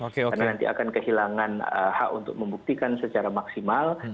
karena nanti akan kehilangan hak untuk membuktikan secara maksimal